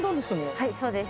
はいそうです。